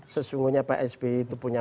sesungguhnya pak sby itu punya